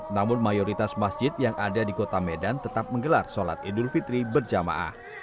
namun mayoritas masjid yang ada di kota medan tetap menggelar sholat idul fitri berjamaah